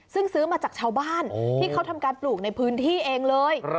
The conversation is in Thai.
ซึ่งซื้อมาจากชาวบ้านที่เขาทำการปลูกในพื้นที่เองเลย